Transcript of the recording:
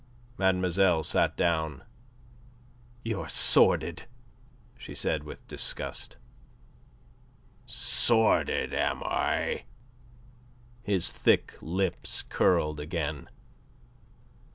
Mademoiselle sat down. "You're sordid," she said, with disgust. "Sordid, am I?" His thick lips curled again.